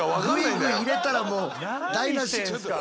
グイグイ入れたらもう。